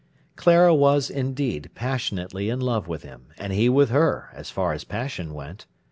Clara was, indeed, passionately in love with him, and he with her, as far as passion went.